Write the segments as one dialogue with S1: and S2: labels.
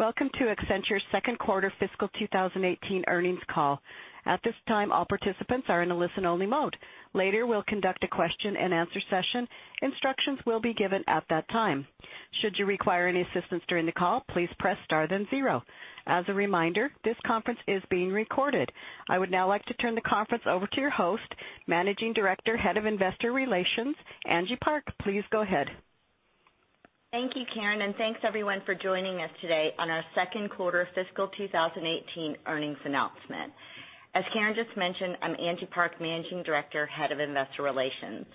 S1: Welcome to Accenture's second quarter fiscal 2018 earnings call. At this time, all participants are in a listen-only mode. Later, we'll conduct a question and answer session. Instructions will be given at that time. Should you require any assistance during the call, please press star then zero. As a reminder, this conference is being recorded. I would now like to turn the conference over to your host, Managing Director, Head of Investor Relations, Angie Park. Please go ahead.
S2: Thank you, Karen, thanks everyone for joining us today on our second quarter fiscal 2018 earnings announcement. As Karen just mentioned, I'm Angie Park, Managing Director, Head of Investor Relations.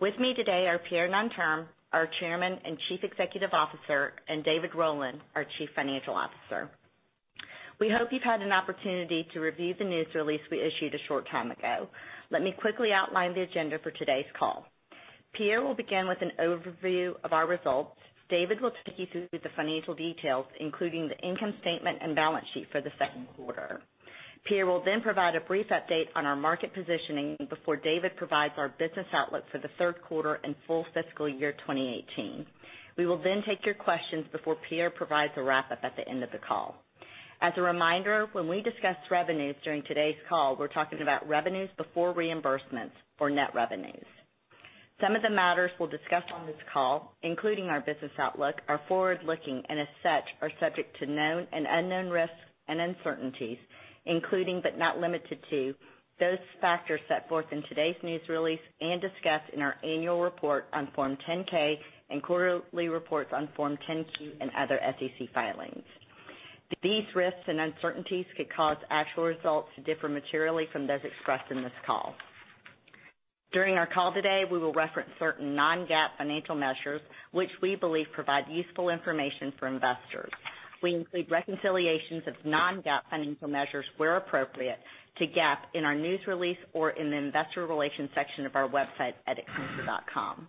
S2: With me today are Pierre Nanterme, our Chairman and Chief Executive Officer, and David Rowland, our Chief Financial Officer. We hope you've had an opportunity to review the news release we issued a short time ago. Let me quickly outline the agenda for today's call. Pierre will begin with an overview of our results. David will take you through the financial details, including the income statement and balance sheet for the second quarter. Pierre will provide a brief update on our market positioning before David provides our business outlook for the third quarter and full fiscal year 2018. We will take your questions before Pierre provides a wrap-up at the end of the call. As a reminder, when we discuss revenues during today's call, we're talking about revenues before reimbursements or net revenues. Some of the matters we'll discuss on this call, including our business outlook, are forward-looking and, as such, are subject to known and unknown risks and uncertainties, including but not limited to those factors set forth in today's news release and discussed in our annual report on Form 10-K and quarterly reports on Form 10-Q and other SEC filings. These risks and uncertainties could cause actual results to differ materially from those expressed in this call. During our call today, we will reference certain non-GAAP financial measures which we believe provide useful information for investors. We include reconciliations of non-GAAP financial measures where appropriate to GAAP in our news release or in the investor relations section of our website at accenture.com.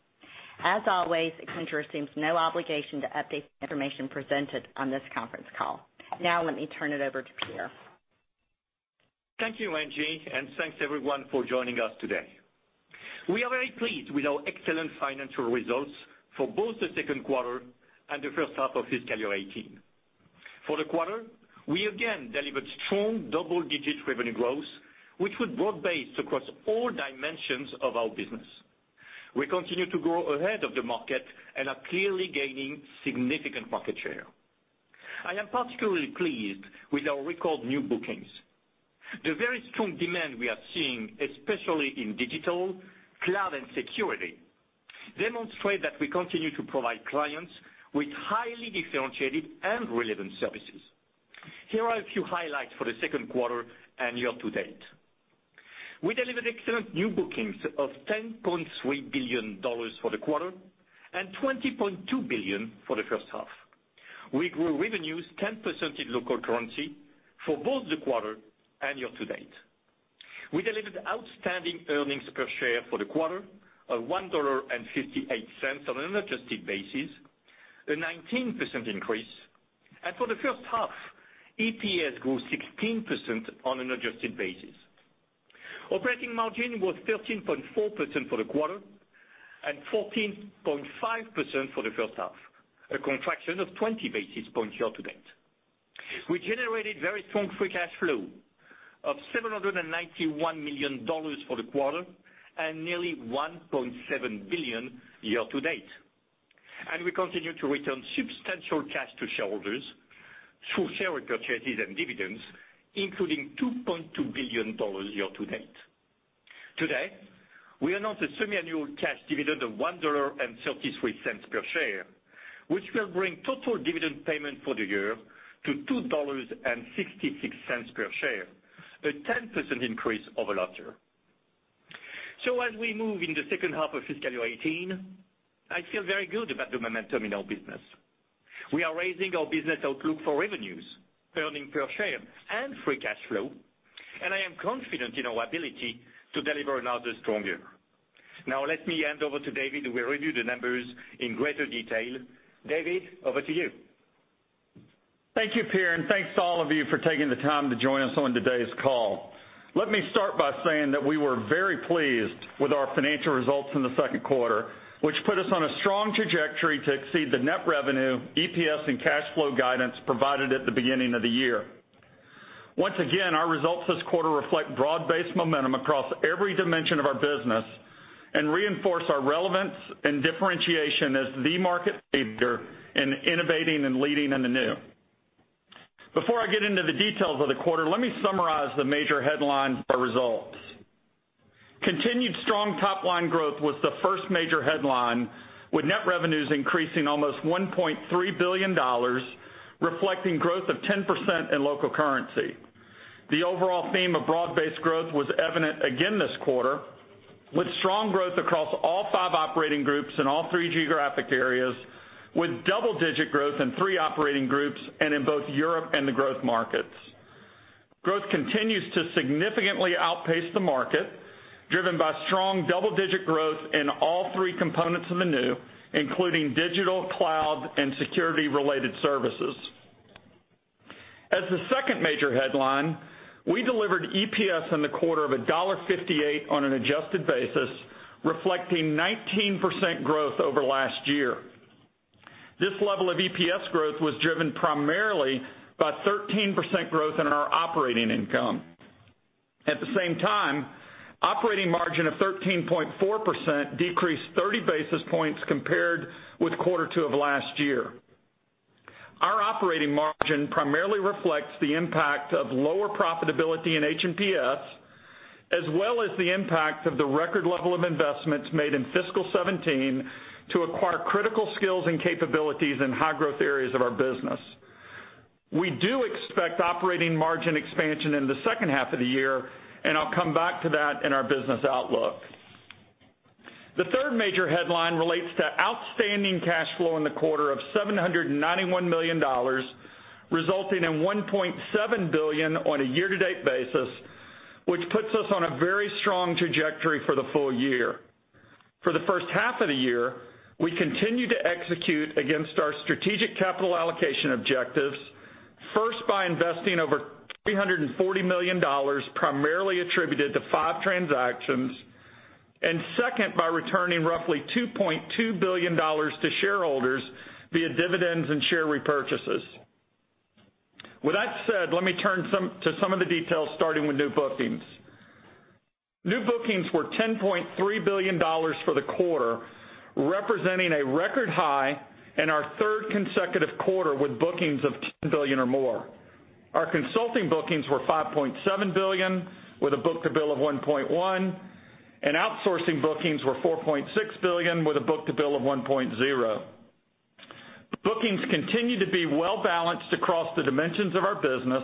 S2: As always, Accenture assumes no obligation to update the information presented on this conference call. Now let me turn it over to Pierre.
S3: Thank you, Angie, and thanks everyone for joining us today. We are very pleased with our excellent financial results for both the second quarter and the first half of fiscal year 2018. For the quarter, we again delivered strong double-digit revenue growth, which was broad-based across all dimensions of our business. We continue to grow ahead of the market and are clearly gaining significant market share. I am particularly pleased with our record new bookings. The very strong demand we are seeing, especially in digital, cloud, and security, demonstrate that we continue to provide clients with highly differentiated and relevant services. Here are a few highlights for the second quarter and year to date. We delivered excellent new bookings of $10.3 billion for the quarter and $20.2 billion for the first half. We grew revenues 10% in local currency for both the quarter and year to date. We delivered outstanding earnings per share for the quarter of $1.58 on an adjusted basis, a 19% increase. For the first half, EPS grew 16% on an adjusted basis. Operating margin was 13.4% for the quarter and 14.5% for the first half, a contraction of 20 basis points year to date. We generated very strong free cash flow of $791 million for the quarter and nearly $1.7 billion year to date. We continue to return substantial cash to shareholders through share repurchases and dividends, including $2.2 billion year to date. Today, we announced a semiannual cash dividend of $1.33 per share, which will bring total dividend payment for the year to $2.66 per share, a 10% increase over last year. As we move in the second half of fiscal year 2018, I feel very good about the momentum in our business. We are raising our business outlook for revenues, earnings per share, and free cash flow, and I am confident in our ability to deliver another strong year. Now let me hand over to David, who will review the numbers in greater detail. David, over to you.
S4: Thank you, Pierre, and thanks to all of you for taking the time to join us on today's call. Let me start by saying that we were very pleased with our financial results in the second quarter, which put us on a strong trajectory to exceed the net revenue, EPS, and cash flow guidance provided at the beginning of the year. Once again, our results this quarter reflect broad-based momentum across every dimension of our business and reinforce our relevance and differentiation as the market leader in innovating and leading in the new. Before I get into the details of the quarter, let me summarize the major headlines of our results. Continued strong top-line growth was the first major headline, with net revenues increasing almost $1.3 billion, reflecting growth of 10% in local currency. The overall theme of broad-based growth was evident again this quarter with strong growth across all five operating groups in all three geographic areas, with double-digit growth in three operating groups and in both Europe and the growth markets. Growth continues to significantly outpace the market, driven by strong double-digit growth in all three components of the new, including digital, cloud, and security-related services. As the second major headline, we delivered EPS in the quarter of $1.58 on an adjusted basis, reflecting 19% growth over last year. This level of EPS growth was driven primarily by 13% growth in our operating income. At the same time, operating margin of 13.4% decreased 30 basis points compared with quarter two of last year. Our operating margin primarily reflects the impact of lower profitability in H&PS, as well as the impact of the record level of investments made in FY 2017 to acquire critical skills and capabilities in high-growth areas of our business. We do expect operating margin expansion in the second half of the year, I'll come back to that in our business outlook. The third major headline relates to outstanding cash flow in the quarter of $791 million, resulting in $1.7 billion on a year-to-date basis, which puts us on a very strong trajectory for the full year. For the first half of the year, we continue to execute against our strategic capital allocation objectives, first by investing over $340 million, primarily attributed to five transactions, second, by returning roughly $2.2 billion to shareholders via dividends and share repurchases. With that said, let me turn to some of the details, starting with new bookings. New bookings were $10.3 billion for the quarter, representing a record high and our third consecutive quarter with bookings of $10 billion or more. Our consulting bookings were $5.7 billion, with a book-to-bill of 1.1. Outsourcing bookings were $4.6 billion with a book-to-bill of 1.0. Bookings continue to be well-balanced across the dimensions of our business.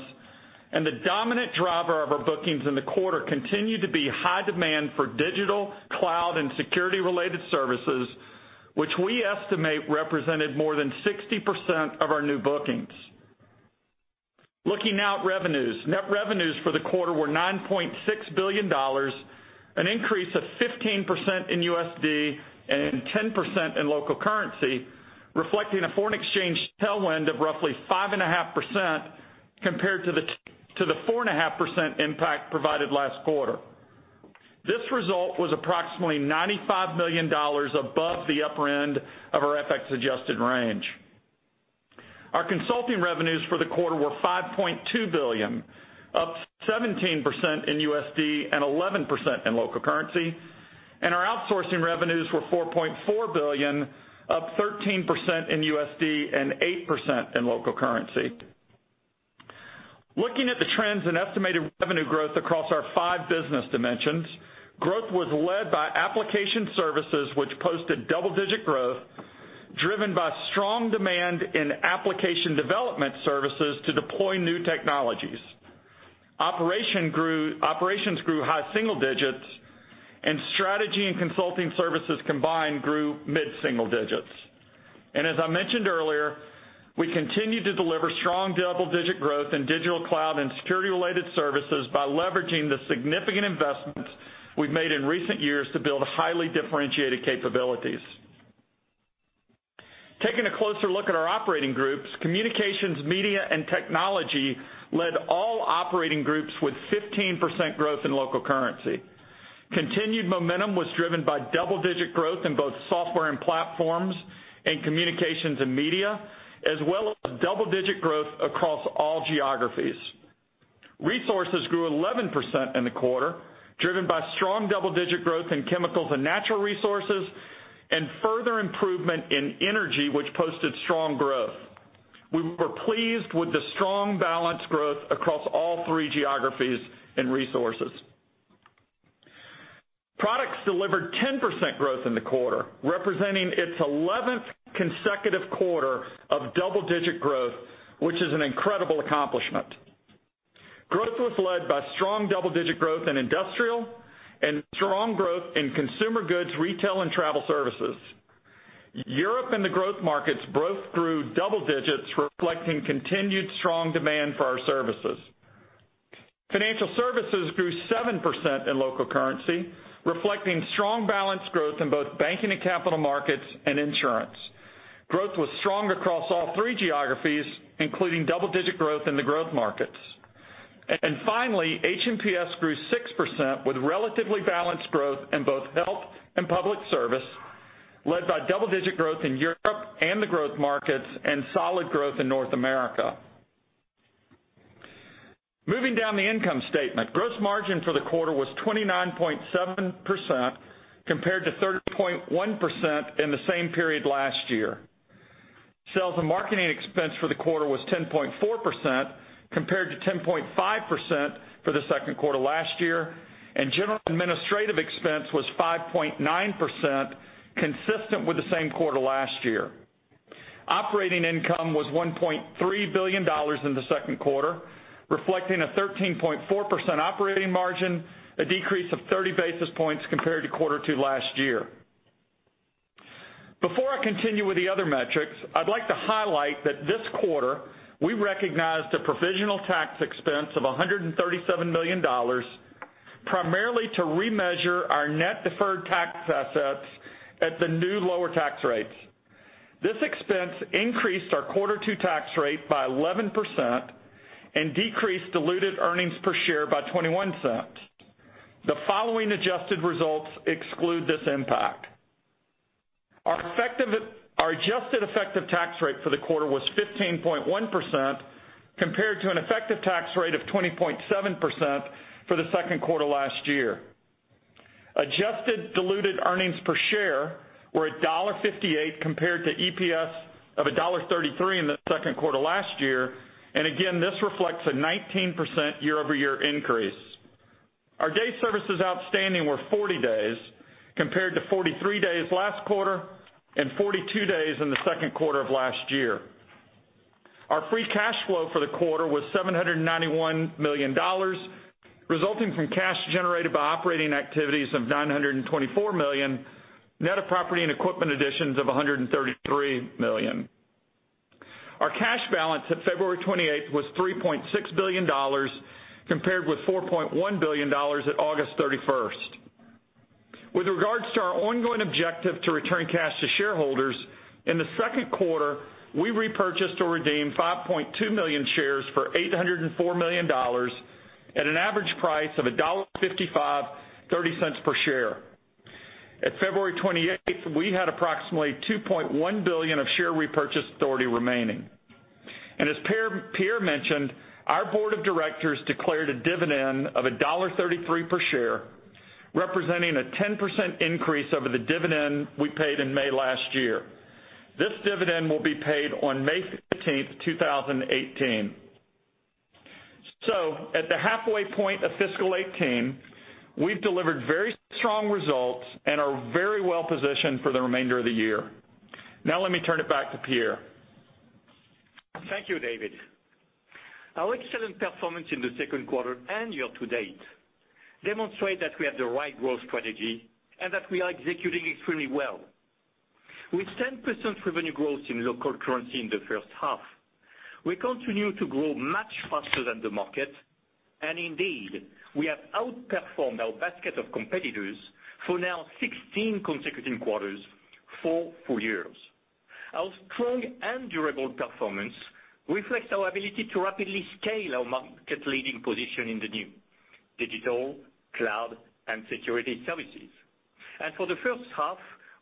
S4: The dominant driver of our bookings in the quarter continued to be high demand for digital, cloud, and security-related services, which we estimate represented more than 60% of our new bookings. Looking at revenues. Net revenues for the quarter were $9.6 billion, an increase of 15% in USD and 10% in local currency, reflecting a foreign exchange tailwind of roughly 5.5% compared to the 4.5% impact provided last quarter. This result was approximately $95 million above the upper end of our FX-adjusted range. Our consulting revenues for the quarter were $5.2 billion, up 17% in USD and 11% in local currency. Our outsourcing revenues were $4.4 billion, up 13% in USD and 8% in local currency. Looking at the trends in estimated revenue growth across our five business dimensions, growth was led by application services, which posted double-digit growth driven by strong demand in application development services to deploy new technologies. Operations grew high single digits. Strategy and consulting services combined grew mid-single digits. As I mentioned earlier, we continue to deliver strong double-digit growth in digital cloud and security-related services by leveraging the significant investments we've made in recent years to build highly differentiated capabilities. Taking a closer look at our operating groups, communications, media, and technology led all operating groups with 15% growth in local currency. Continued momentum was driven by double-digit growth in both software and platforms and communications and media, as well as double-digit growth across all geographies. Resources grew 11% in the quarter, driven by strong double-digit growth in chemicals and natural resources, and further improvement in energy, which posted strong growth. We were pleased with the strong, balanced growth across all three geographies and resources. Products delivered 10% growth in the quarter, representing its 11th consecutive quarter of double-digit growth, which is an incredible accomplishment. Growth was led by strong double-digit growth in industrial and strong growth in consumer goods, retail, and travel services. Europe and the growth markets both grew double digits, reflecting continued strong demand for our services. Financial services grew 7% in local currency, reflecting strong balanced growth in both banking and capital markets and insurance. Growth was strong across all three geographies, including double-digit growth in the growth markets. Finally, HNPS grew 6% with relatively balanced growth in both Health & Public Service, led by double-digit growth in Europe and the growth markets and solid growth in North America. Moving down the income statement, gross margin for the quarter was 29.7% compared to 30.1% in the same period last year. Sales and marketing expense for the quarter was 10.4% compared to 10.5% for the second quarter last year, general and administrative expense was 5.9%, consistent with the same quarter last year. Operating income was $1.3 billion in the second quarter, reflecting a 13.4% operating margin, a decrease of 30 basis points compared to quarter two last year. Before I continue with the other metrics, I'd like to highlight that this quarter, we recognized a provisional tax expense of $137 million. Primarily to remeasure our net deferred tax assets at the new lower tax rates. This expense increased our quarter two tax rate by 11% and decreased diluted earnings per share by $0.21. The following adjusted results exclude this impact. Our adjusted effective tax rate for the quarter was 15.1% compared to an effective tax rate of 20.7% for the second quarter last year. Adjusted diluted earnings per share were $1.58 compared to EPS of $1.33 in the second quarter last year. Again, this reflects a 19% year-over-year increase. Our day services outstanding were 40 days, compared to 43 days last quarter and 42 days in the second quarter of last year. Our free cash flow for the quarter was $791 million, resulting from cash generated by operating activities of $924 million, net of property and equipment additions of $133 million. Our cash balance at February 28th was $3.6 billion, compared with $4.1 billion at August 31st. With regards to our ongoing objective to return cash to shareholders, in the second quarter, we repurchased or redeemed 5.2 million shares for $804 million, at an average price of $155.30 per share. At February 28th, we had approximately $2.1 billion of share repurchase authority remaining. As Pierre mentioned, our board of directors declared a dividend of $1.33 per share, representing a 10% increase over the dividend we paid in May last year. This dividend will be paid on May 15th, 2018. At the halfway point of fiscal 2018, we've delivered very strong results and are very well-positioned for the remainder of the year. Let me turn it back to Pierre Nanterme.
S3: Thank you, David. Our excellent performance in the second quarter and year-to-date demonstrate that we have the right growth strategy and that we are executing extremely well. With 10% revenue growth in local currency in the first half, we continue to grow much faster than the market. Indeed, we have outperformed our basket of competitors for now 16 consecutive quarters for four years. Our strong and durable performance reflects our ability to rapidly scale our market-leading position in the new digital, cloud, and security services. For the first half,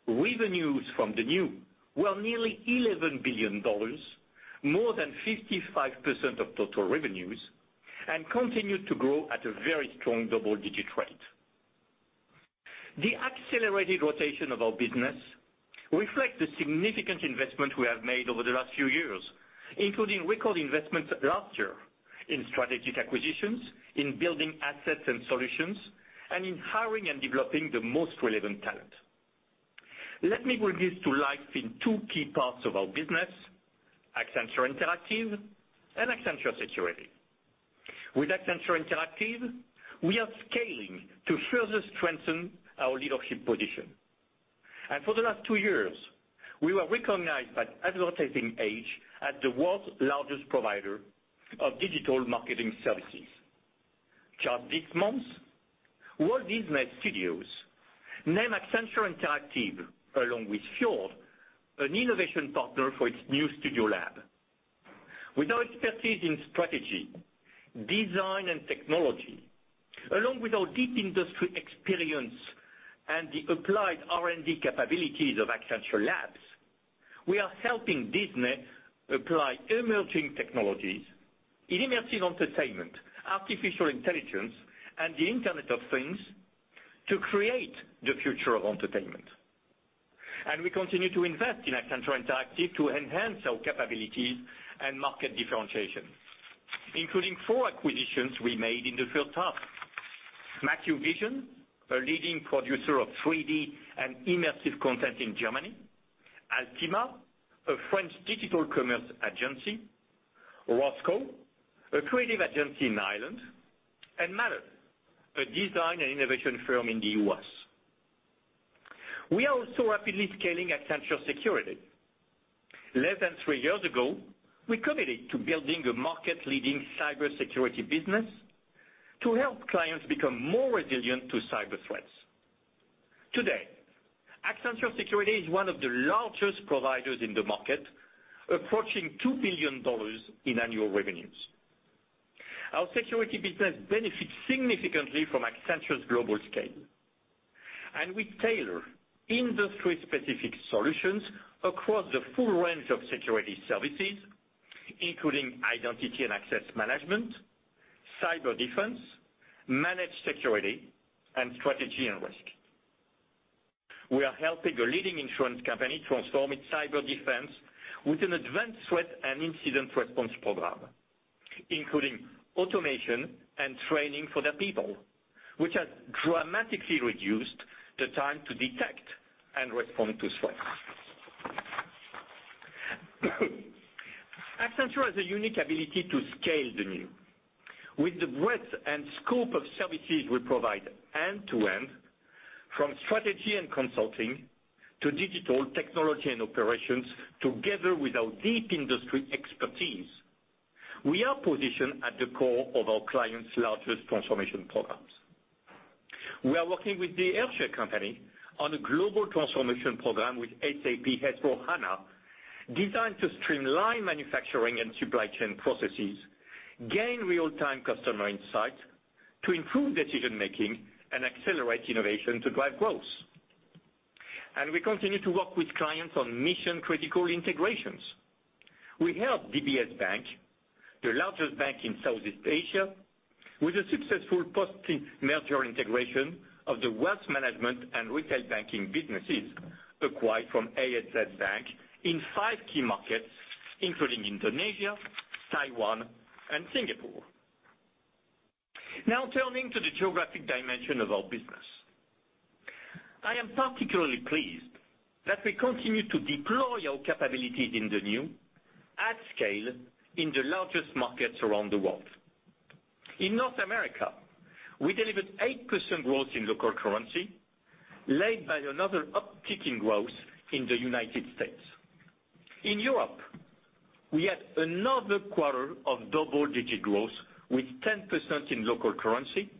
S3: revenues from the new were nearly $11 billion, more than 55% of total revenues, and continued to grow at a very strong double-digit rate. The accelerated rotation of our business reflects the significant investment we have made over the last few years, including record investments last year in strategic acquisitions, in building assets and solutions, and in hiring and developing the most relevant talent. Let me bring this to life in two key parts of our business, Accenture Interactive and Accenture Security. With Accenture Interactive, we are scaling to further strengthen our leadership position. For the last two years, we were recognized by Advertising Age as the world's largest provider of digital marketing services. Just this month, Walt Disney Studios named Accenture Interactive, along with Fjord, an innovation partner for its new StudioLAB. With our expertise in strategy, design, and technology, along with our deep industry experience and the applied R&D capabilities of Accenture Labs, we are helping Disney apply emerging technologies in immersive entertainment, artificial intelligence, and the Internet of Things to create the future of entertainment. We continue to invest in Accenture Interactive to enhance our capabilities and market differentiation, including four acquisitions we made in the first half. Mackevision, a leading producer of 3D and immersive content in Germany. Altima, a French digital commerce agency. Rothco, a creative agency in Ireland, and Matter, a design and innovation firm in the U.S. We are also rapidly scaling Accenture Security. Less than three years ago, we committed to building a market-leading cybersecurity business to help clients become more resilient to cyber threats. Today, Accenture Security is one of the largest providers in the market, approaching $2 billion in annual revenues. Our security business benefits significantly from Accenture's global scale. We tailor industry-specific solutions across the full range of security services, including identity and access management, cyber defense, managed security, and strategy and risk. We are helping a leading insurance company transform its cyber defense with an advanced threat and incident response program, including automation and training for their people, which has dramatically reduced the time to detect and respond to threats. Accenture has a unique ability to scale the new. With the breadth and scope of services we provide end to end, from strategy and consulting to digital technology and operations, together with our deep industry expertise, we are positioned at the core of our clients' largest transformation programs. We are working with Airbus on a global transformation program with SAP S/4HANA, designed to streamline manufacturing and supply chain processes, gain real-time customer insights to improve decision-making and accelerate innovation to drive growth. We continue to work with clients on mission-critical integrations. We help DBS Bank, the largest bank in Southeast Asia, with a successful post-merger integration of the wealth management and retail banking businesses acquired from ANZ Bank in five key markets, including Indonesia, Taiwan and Singapore. Turning to the geographic dimension of our business. I am particularly pleased that we continue to deploy our capabilities in the new at scale in the largest markets around the world. In North America, we delivered 8% growth in local currency, led by another uptick in growth in the U.S. In Europe, we had another quarter of double-digit growth, with 10% in local currency,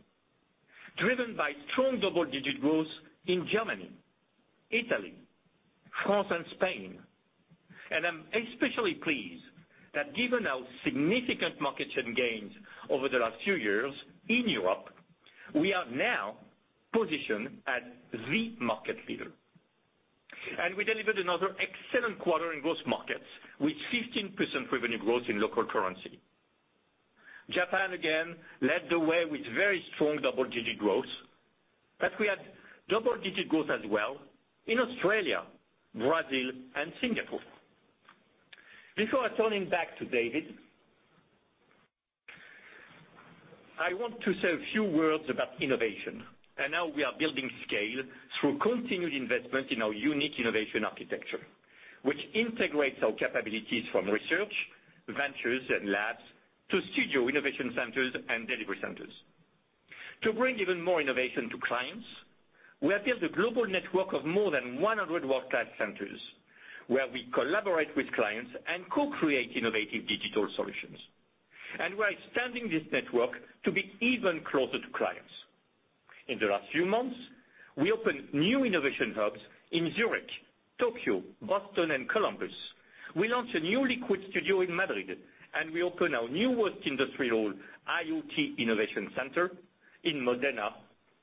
S3: driven by strong double-digit growth in Germany, Italy, France and Spain. I'm especially pleased that given our significant market share gains over the last few years in Europe, we are now positioned as the market leader. We delivered another excellent quarter in growth markets, with 15% revenue growth in local currency. Japan, again, led the way with very strong double-digit growth, but we had double-digit growth as well in Australia, Brazil and Singapore. Before turning back to David, I want to say a few words about innovation and how we are building scale through continued investment in our unique innovation architecture, which integrates our capabilities from research, ventures, and labs to studio innovation centers and delivery centers. To bring even more innovation to clients, we have built a global network of more than 100 world-class centers, where we collaborate with clients and co-create innovative digital solutions. We're expanding this network to be even closer to clients. In the last few months, we opened new innovation hubs in Zurich, Tokyo, Boston and Columbus. We launched a new Liquid Studio in Madrid, and we opened our newest industrial IoT innovation center in Modena,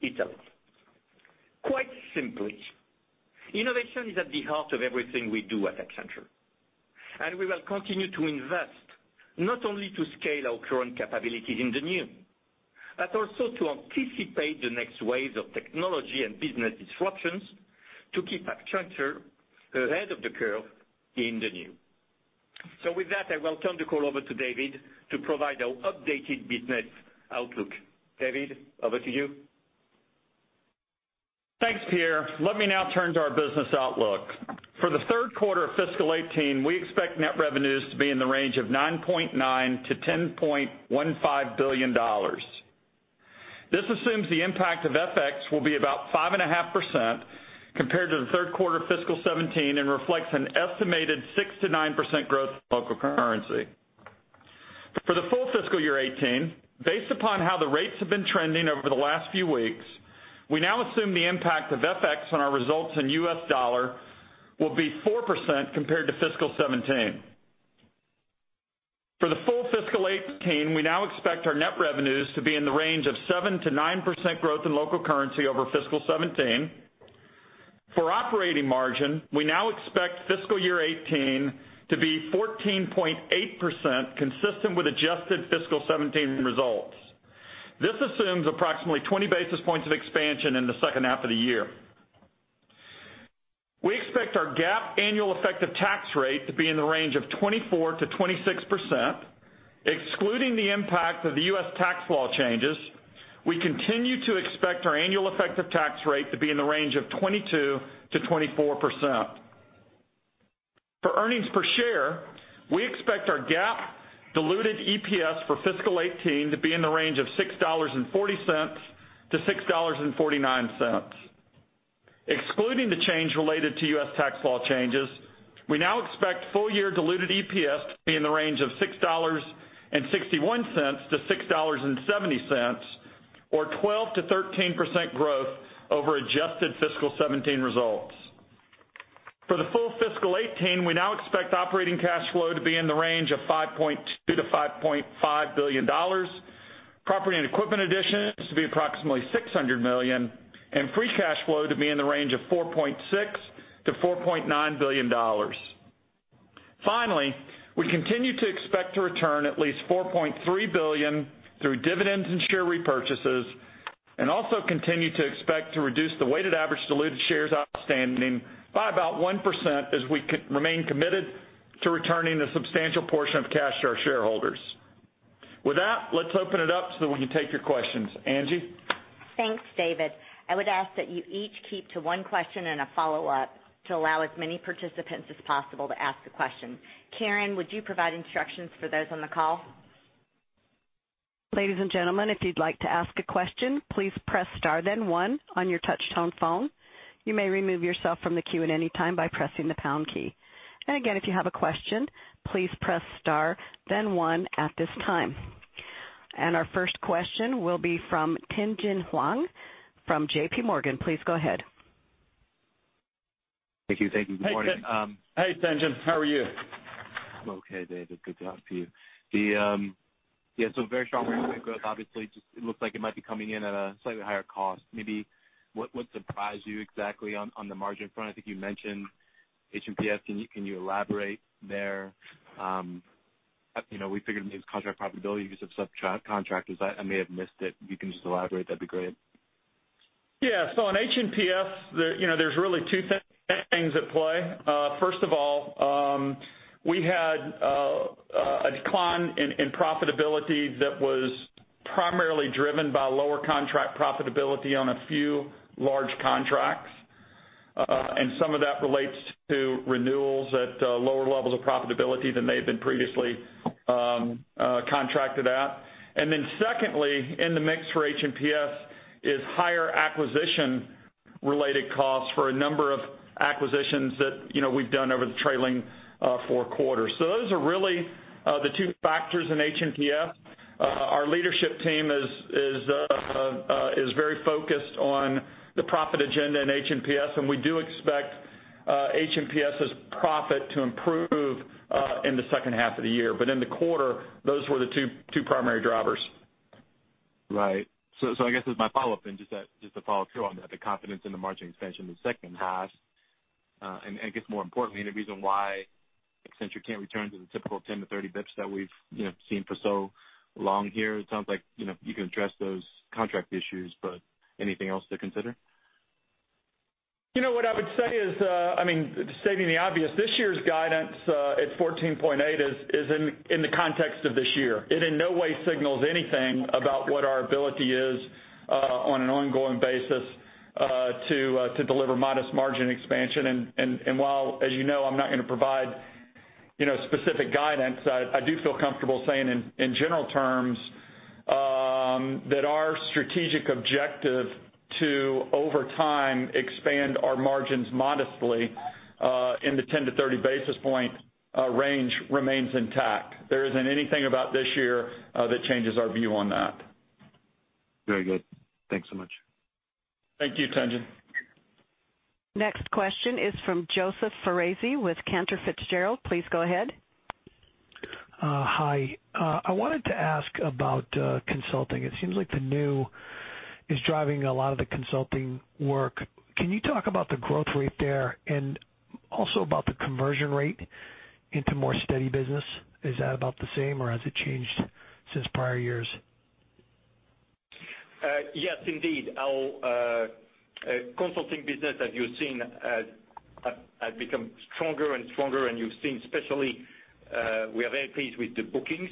S3: Italy. Quite simply, innovation is at the heart of everything we do at Accenture, and we will continue to invest not only to scale our current capabilities in the new, but also to anticipate the next waves of technology and business disruptions to keep Accenture ahead of the curve in the new. With that, I will turn the call over to David to provide our updated business outlook. David, over to you.
S4: Thanks, Pierre. Let me now turn to our business outlook. For the third quarter of fiscal 2018, we expect net revenues to be in the range of $9.9 billion-$10.15 billion. This assumes the impact of FX will be about 5.5% compared to the third quarter of fiscal 2017, and reflects an estimated 6%-9% growth in local currency. For the full fiscal year 2018, based upon how the rates have been trending over the last few weeks, we now assume the impact of FX on our results in U.S. dollar will be 4% compared to fiscal 2017. For the full fiscal 2018, we now expect our net revenues to be in the range of 7%-9% growth in local currency over fiscal 2017. For operating margin, we now expect fiscal year 2018 to be 14.8%, consistent with adjusted fiscal 2017 results. This assumes approximately 20 basis points of expansion in the second half of the year. We expect our GAAP annual effective tax rate to be in the range of 24%-26%, excluding the impact of the U.S. tax law changes. We continue to expect our annual effective tax rate to be in the range of 22%-24%. For earnings per share, we expect our GAAP diluted EPS for fiscal 2018 to be in the range of $6.40-$6.49. Excluding the change related to U.S. tax law changes, we now expect full-year diluted EPS to be in the range of $6.61-$6.70, or 12%-13% growth over adjusted fiscal 2017 results. For the full fiscal 2018, we now expect operating cash flow to be in the range of $5.2 billion-$5.5 billion, property and equipment additions to be approximately $600 million, and free cash flow to be in the range of $4.6 billion-$4.9 billion. Finally, we continue to expect to return at least $4.3 billion through dividends and share repurchases, and also continue to expect to reduce the weighted average diluted shares outstanding by about 1% as we remain committed to returning a substantial portion of cash to our shareholders. With that, let's open it up so that we can take your questions. Angie?
S2: Thanks, David. I would ask that you each keep to one question and a follow-up to allow as many participants as possible to ask a question. Karen, would you provide instructions for those on the call?
S1: Ladies and gentlemen, if you'd like to ask a question, please press star then one on your touch-tone phone. You may remove yourself from the queue at any time by pressing the pound key. Again, if you have a question, please press star then one at this time. Our first question will be from Tien-Tsin Huang from JPMorgan. Please go ahead.
S5: Thank you. Thank you. Good morning.
S4: Hey, Tien-Tsin. How are you?
S5: I'm okay, David. Good to talk to you. Yeah, very strong growth. Obviously, just it looks like it might be coming in at a slightly higher cost. Maybe what surprised you exactly on the margin front? I think you mentioned H&PS. Can you elaborate there? We figured it means contract profitability because of subcontractors. I may have missed it. If you can just elaborate, that'd be great.
S4: Yeah. On H&PS, there's really two things at play. First of all, we had a decline in profitability that was primarily driven by lower contract profitability on a few large contracts. Some of that relates to renewals at lower levels of profitability than they had been previously contracted at. Secondly, in the mix for H&PS is higher acquisition-related costs for a number of acquisitions that we've done over the trailing four quarters. Those are really the two factors in H&PS. Our leadership team is very focused on the profit agenda in H&PS, and we do expect H&PS's profit to improve in the second half of the year. In the quarter, those were the two primary drivers.
S5: Right. I guess as my follow-up and just to follow through on the confidence in the margin expansion in the second half. I guess more importantly, any reason why Accenture can't return to the typical 10 to 30 basis points that we've seen for so long here? It sounds like you can address those contract issues, anything else to consider?
S4: What I would say is, stating the obvious, this year's guidance at 14.8 is in the context of this year. It in no way signals anything about what our ability is on an ongoing basis to deliver modest margin expansion. While, as you know, I'm not going to provide specific guidance, I do feel comfortable saying in general terms that our strategic objective to, over time, expand our margins modestly in the 10 to 30 basis point range remains intact. There isn't anything about this year that changes our view on that.
S5: Very good. Thanks so much.
S4: Thank you, Tien-Tsin.
S1: Next question is from Joseph Foresi with Cantor Fitzgerald. Please go ahead.
S6: Hi. I wanted to ask about consulting. It seems like the new is driving a lot of the consulting work. Can you talk about the growth rate there and also about the conversion rate into more steady business? Is that about the same or has it changed since prior years?
S3: Yes, indeed. Our consulting business, as you've seen, has become stronger and stronger, and you've seen especially we are very pleased with the bookings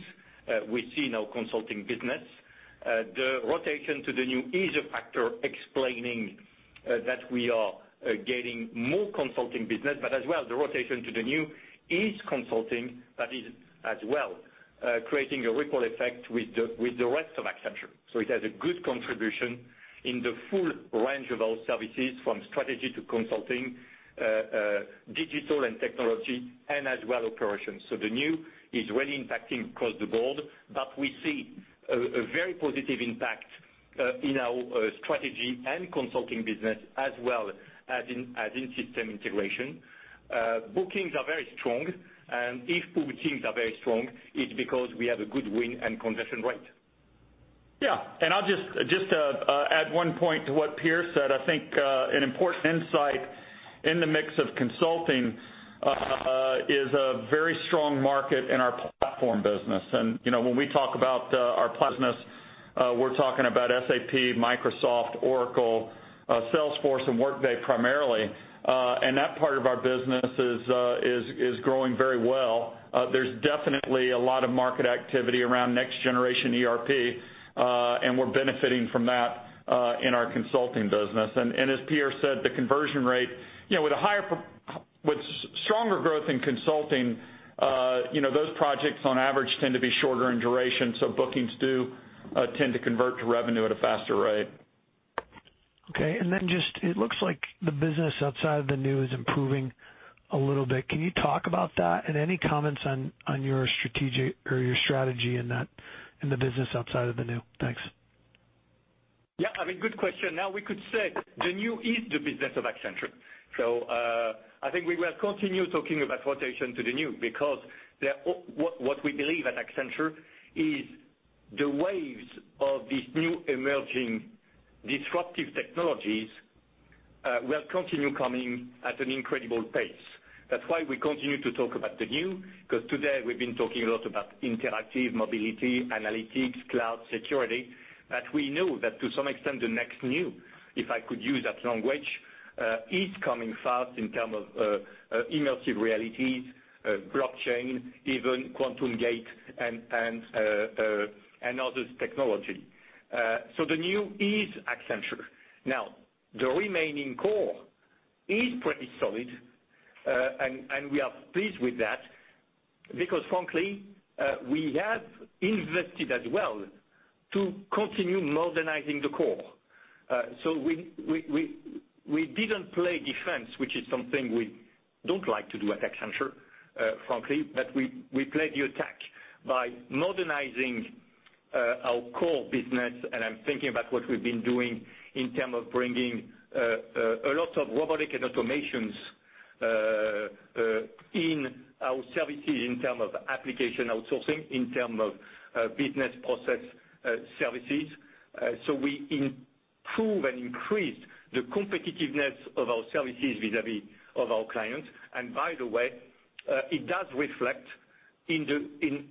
S3: we see in our consulting business. The rotation to the new is a factor explaining that we are getting more consulting business, but as well, the rotation to the new is consulting, that is as well creating a ripple effect with the rest of Accenture. It has a good contribution in the full range of our services, from strategy to consulting, digital and technology, and as well operations. The new is really impacting across the board, but we see a very positive impact in our strategy and consulting business as well as in system integration. Bookings are very strong, and if bookings are very strong, it's because we have a good win and conversion rate.
S4: I'll just add one point to what Pierre said. I think an important insight in the mix of consulting is a very strong market in our platform business. When we talk about our platform business, we're talking about SAP, Microsoft, Oracle, Salesforce, and Workday primarily. That part of our business is growing very well. There's definitely a lot of market activity around next generation ERP, and we're benefiting from that in our consulting business. As Pierre said, the conversion rate with stronger growth in consulting, those projects on average tend to be shorter in duration, so bookings do tend to convert to revenue at a faster rate.
S6: Okay. Just it looks like the business outside of the new is improving a little bit. Can you talk about that and any comments on your strategy in the business outside of the new? Thanks.
S3: Yeah. Good question. We could say the new is the business of Accenture. I think we will continue talking about rotation to the new because what we believe at Accenture is the waves of these new emerging disruptive technologies will continue coming at an incredible pace. That's why we continue to talk about the new, because today we've been talking a lot about interactive mobility, analytics, cloud security. We know that to some extent, the next new, if I could use that language, is coming fast in terms of immersive realities, blockchain, even quantum gate and other technology. The new is Accenture. The remaining core is pretty solid, and we are pleased with that because frankly, we have invested as well to continue modernizing the core. We didn't play defense, which is something we don't like to do at Accenture, frankly. We played the attack by modernizing our core business, and I'm thinking about what we've been doing in terms of bringing a lot of robotic and automations in our services, in terms of application outsourcing, in terms of business process services. We improve and increase the competitiveness of our services vis-a-vis of our clients. By the way, it does reflect in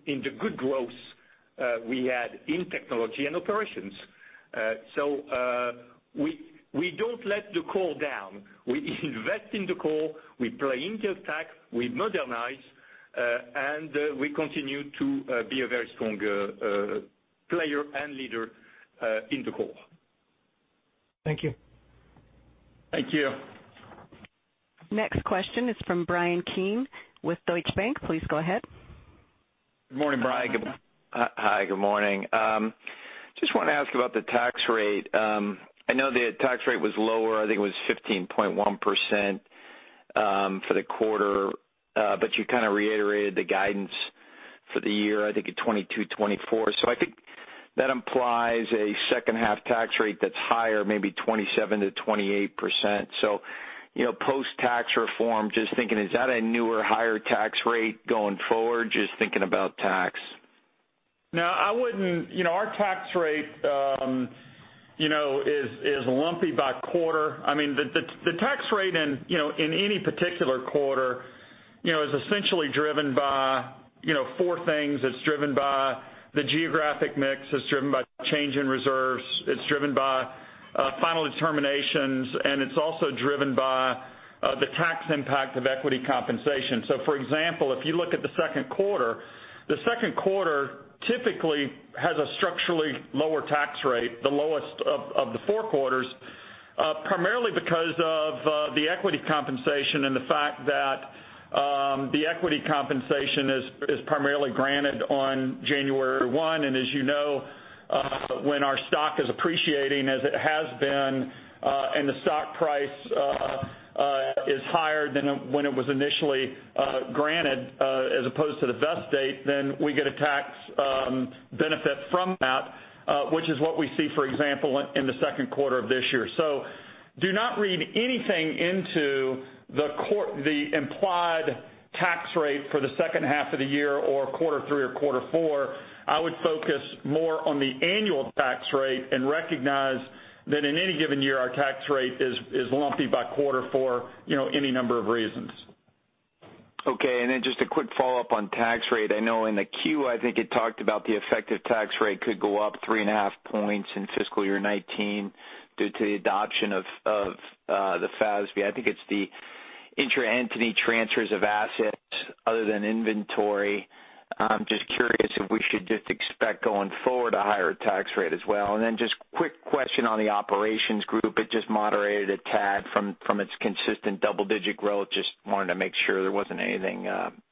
S3: the good growth we had in technology and operations. We don't let the core down. We invest in the core, we play into attack, we modernize, and we continue to be a very strong player and leader in the core.
S6: Thank you.
S4: Thank you.
S1: Next question is from Bryan Keane with Deutsche Bank. Please go ahead.
S4: Good morning, Bryan.
S7: Hi, good morning. Just want to ask about the tax rate. I know the tax rate was lower, I think it was 15.1% for the quarter. You kind of reiterated the guidance for the year, I think at 22%-24%. I think that implies a second half tax rate that's higher, maybe 27%-28%. Post-tax reform, just thinking, is that a newer, higher tax rate going forward? Just thinking about tax.
S4: No, our tax rate is lumpy by quarter. The tax rate in any particular quarter is essentially driven by four things. It's driven by the geographic mix, it's driven by change in reserves, it's driven by final determinations, and it's also driven by the tax impact of equity compensation. For example, if you look at the second quarter, the second quarter typically has a structurally lower tax rate, the lowest of the four quarters, primarily because of the equity compensation and the fact that the equity compensation is primarily granted on January 1. As you know, when our stock is appreciating as it has been, and the stock price is higher than when it was initially granted as opposed to the vest date, then we get a tax benefit from that, which is what we see, for example, in the second quarter of this year. Do not read anything into the implied tax rate for the second half of the year or quarter three or quarter four. I would focus more on the annual tax rate and recognize that in any given year, our tax rate is lumpy by quarter for any number of reasons.
S7: Okay. Just a quick follow-up on tax rate. I know in the Q, I think it talked about the effective tax rate could go up three and a half points in fiscal year 2019 due to the adoption of the FASB. I think it's the inter-entity transfers of assets other than inventory. I'm just curious if we should just expect going forward a higher tax rate as well. Just quick question on the operations group. It just moderated a tad from its consistent double-digit growth. Just wanted to make sure there wasn't anything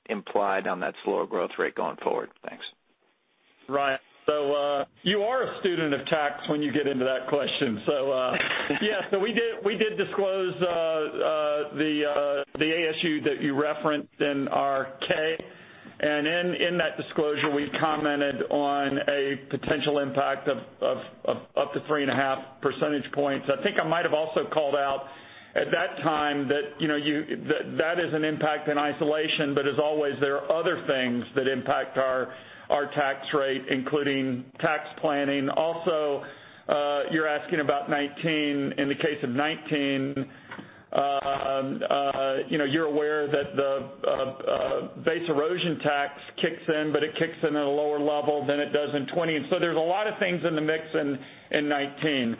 S7: implied on that slower growth rate going forward. Thanks.
S4: Brian. You are a student of tax when you get into that question. Yeah. We did disclose the ASU that you referenced in our K. In that disclosure, we commented on a potential impact of up to 3.5 percentage points. I think I might have also called out at that time that is an impact in isolation. As always, there are other things that impact our tax rate, including tax planning. Also, you're asking about 2019. In the case of 2019, you're aware that the base erosion tax kicks in, but it kicks in at a lower level than it does in 2020. There's a lot of things in the mix in 2019.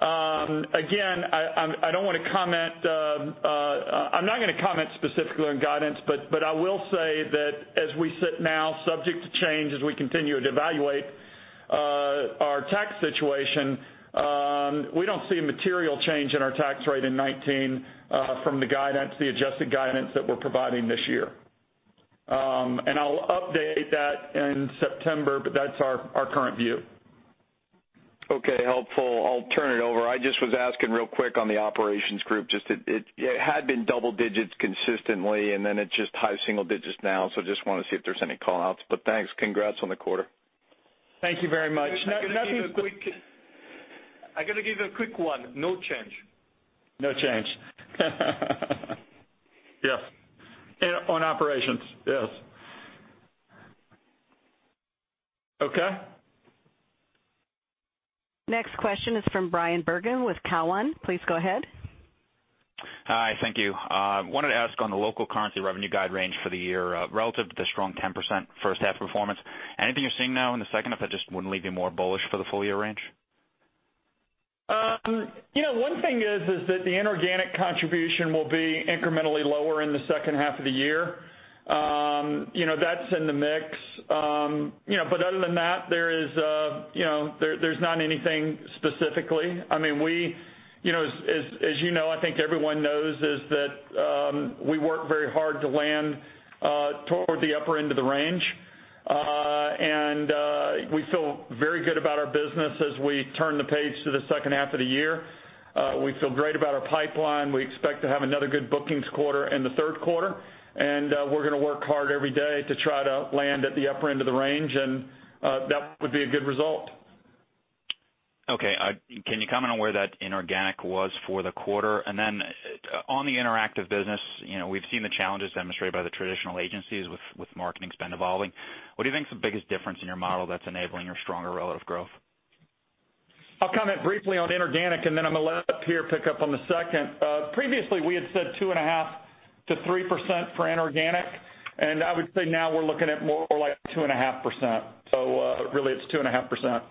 S4: Again, I'm not going to comment specifically on guidance, I will say that as we sit now, subject to change as we continue to evaluate our tax situation, we don't see a material change in our tax rate in 2019 from the guidance, the adjusted guidance that we're providing this year. I'll update that in September, that's our current view.
S7: Okay, helpful. I'll turn it over. I just was asking real quick on the operations group, just it had been double digits consistently, it's just high single digits now. Just want to see if there's any call-outs. Thanks. Congrats on the quarter.
S4: Thank you very much.
S3: I got to give you a quick one. No change.
S7: No change.
S4: Yes. On operations, yes. Okay.
S1: Next question is from Bryan Bergin with Cowen. Please go ahead.
S8: Hi. Thank you. Wanted to ask on the local currency revenue guide range for the year relative to the strong 10% first half performance. Anything you're seeing now in the second half that just wouldn't leave you more bullish for the full year range?
S4: One thing is that the inorganic contribution will be incrementally lower in the second half of the year. That's in the mix. Other than that, there's not anything specifically. As you know, I think everyone knows, is that we work very hard to land toward the upper end of the range. We feel very good about our business as we turn the page to the second half of the year. We feel great about our pipeline. We expect to have another good bookings quarter in the third quarter, and we're going to work hard every day to try to land at the upper end of the range, and that would be a good result.
S8: Okay. Can you comment on where that inorganic was for the quarter? On the Interactive business, we've seen the challenges demonstrated by the traditional agencies with marketing spend evolving. What do you think is the biggest difference in your model that's enabling your stronger relative growth?
S4: I'll comment briefly on inorganic, and then I'm going to let Pierre pick up on the second. Previously, we had said 2.5% to 3% for inorganic, and I would say now we're looking at more like 2.5%. Really it's 2.5%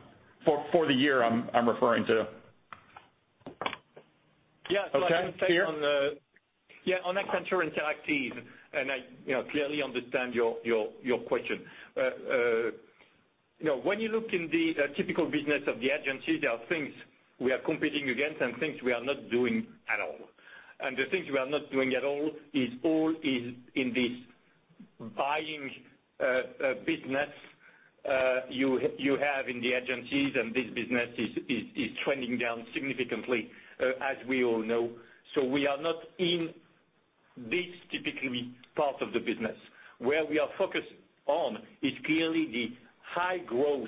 S4: for the year, I'm referring to.
S8: Yeah.
S4: Okay, Pierre.
S3: Yeah. On Accenture Interactive, I clearly understand your question. When you look in the typical business of the agency, there are things we are competing against and things we are not doing at all. The things we are not doing at all is all in this buying business you have in the agencies, and this business is trending down significantly, as we all know. We are not in this typically part of the business. Where we are focused on is clearly the high-growth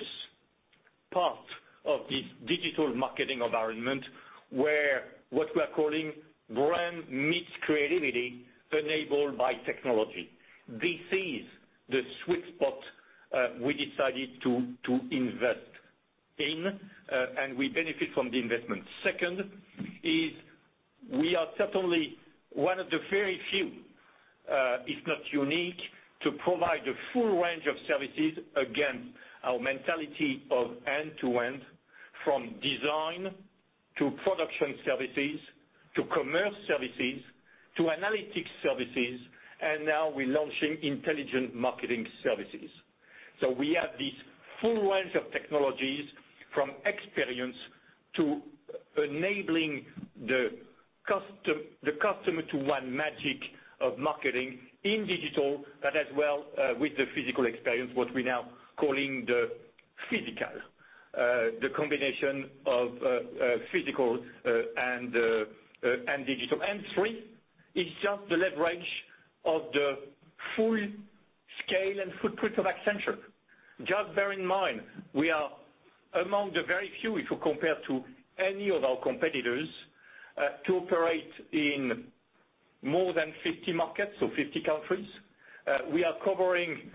S3: part of this digital marketing environment, where what we are calling brand meets creativity enabled by technology. This is the sweet spot we decided to invest in, and we benefit from the investment. Second is we are certainly one of the very few, if not unique, to provide a full range of services. Again, our mentality of end-to-end, from design to production services, to commerce services, to analytics services, and now we're launching intelligent marketing services. We have this full range of technologies from experience to enabling the customer to one magic of marketing in digital, but as well with the physical experience, what we're now calling the phygital, the combination of physical and digital. Three is just the leverage of the full scale and footprint of Accenture. Just bear in mind, we are among the very few, if you compare to any of our competitors, to operate in more than 50 markets, so 50 countries. We are covering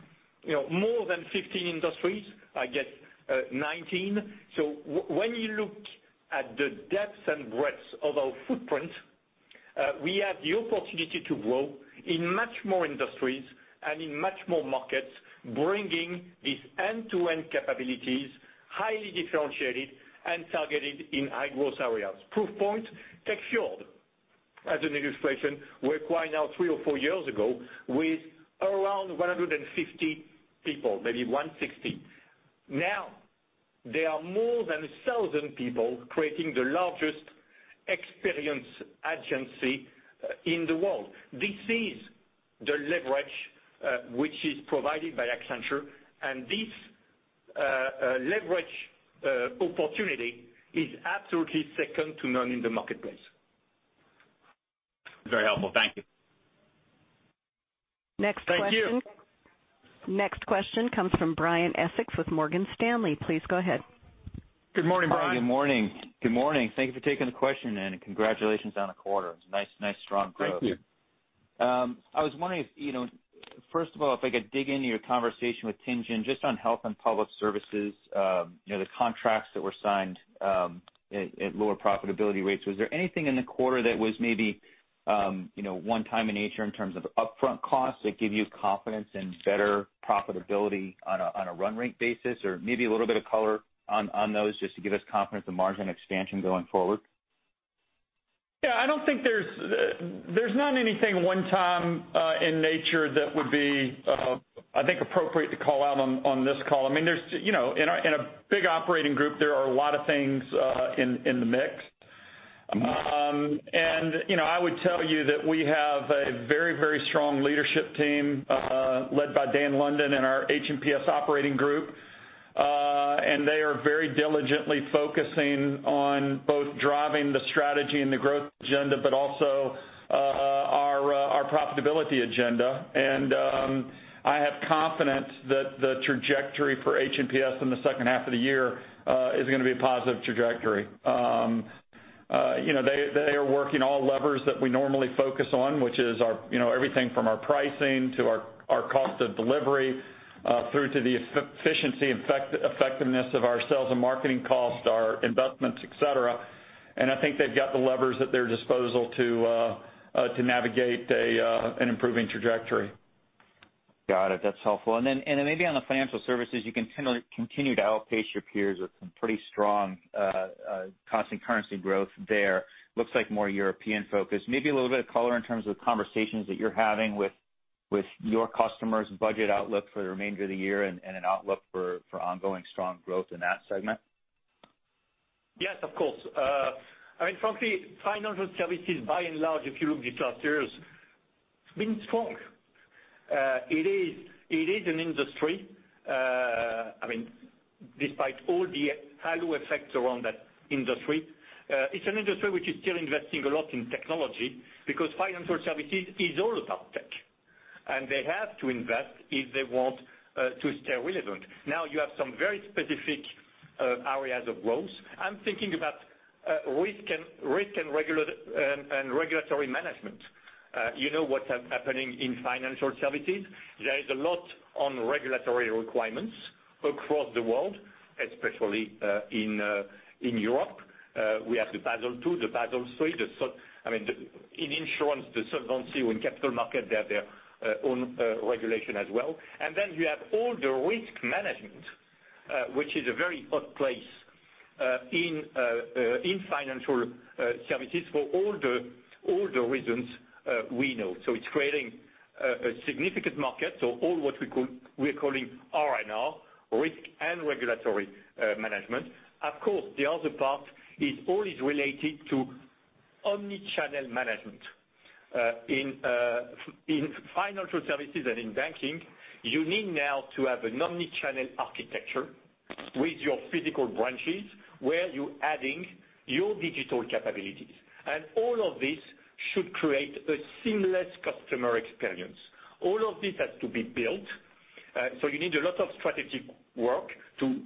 S3: more than 15 industries, I guess 19. When you look at the depth and breadth of our footprint, we have the opportunity to grow in much more industries and in much more markets, bringing these end-to-end capabilities, highly differentiated and targeted in high-growth areas. Proof point,, take Fjord as an illustration, we acquired now three or four years ago with around 150 people, maybe 160. Now there are more than 1,000 people creating the largest experience agency in the world. This is the leverage which is provided by Accenture, and this leverage opportunity is absolutely second to none in the marketplace.
S8: Very helpful. Thank you.
S4: Thank you.
S1: Next question comes from Brian Essex with Morgan Stanley. Please go ahead.
S9: Good morning, Brian. Good morning. Thank you for taking the question. Congratulations on the quarter. It's nice strong growth.
S4: Thank you.
S9: I was wondering if, first of all, if I could dig into your conversation with Tien-Tsin, just on Health & Public Service, the contracts that were signed at lower profitability rates. Was there anything in the quarter that was maybe one-time in nature in terms of upfront costs that give you confidence in better profitability on a run rate basis? Maybe a little bit of color on those just to give us confidence in margin expansion going forward?
S4: Yeah, there's not anything one time in nature that would be, I think, appropriate to call out on this call. In a big operating group, there are a lot of things in the mix. I would tell you that we have a very, very strong leadership team led by Dan London in our H&PS operating group. They are very diligently focusing on both driving the strategy and the growth agenda, but also our profitability agenda. I have confidence that the trajectory for H&PS in the second half of the year is going to be a positive trajectory. They are working all levers that we normally focus on, which is everything from our pricing to our cost of delivery through to the efficiency effectiveness of our sales and marketing costs, our investments, et cetera. I think they've got the levers at their disposal to navigate an improving trajectory.
S9: Got it. That's helpful. Then maybe on the financial services, you continue to outpace your peers with some pretty strong constant currency growth there. Looks like more European focus. Maybe a little bit of color in terms of conversations that you're having with your customers' budget outlook for the remainder of the year and an outlook for ongoing strong growth in that segment.
S3: Yes, of course. Frankly, financial services, by and large, if you look at the clusters, it's been strong. It is an industry, despite all the halo effects around that industry, it's an industry which is still investing a lot in technology because financial services is all about tech, and they have to invest if they want to stay relevant. Now you have some very specific areas of growth. I'm thinking about risk and regulatory management. You know what's happening in financial services. There is a lot on regulatory requirements across the world, especially in Europe. We have the Basel II, the Basel III. In insurance, the Solvency, in capital market, they have their own regulation as well. Then you have all the risk management, which is a very hot place in financial services for all the reasons we know. It's creating a significant market. All what we are calling R&R, risk and regulatory management. Of course, the other part is always related to omni-channel management. In financial services and in banking, you need now to have an omni-channel architecture with your physical branches, where you're adding your digital capabilities. All of this should create a seamless customer experience. All of this has to be built. You need a lot of strategic work to